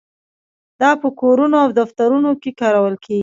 دا په کورونو او دفترونو کې کارول کیږي.